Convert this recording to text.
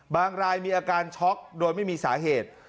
รายมีอาการช็อกโดยไม่มีสาเหตุ